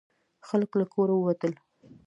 خلک له کوره ووتل.